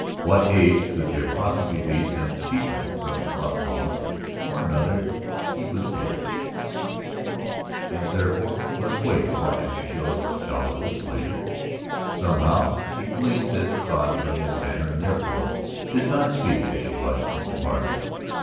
What haste could there possibly be since, sheepman from Las Palmas or another, he was dead and therefore must wait upon Ignacio Chavez's pleasure? Somehow she gleaned this thought from his manner and therefore did not speak as she watched him depart.